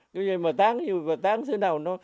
như vậy mà tán như bà tán thế nào nó